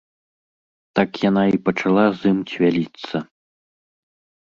Так яна і пачала з ім цвяліцца.